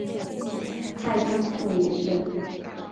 泰定四年事。